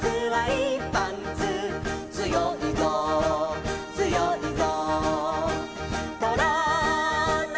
「つよいぞつよいぞ」